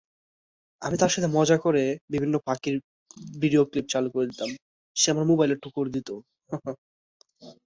এটি পর্যায় সারণীর চতুর্থ পর্যায়ে, চতুর্থ গ্রুপে অবস্থিত।